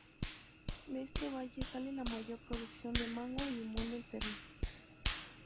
De este valle sale la mayor producción de mango y limón del Perú.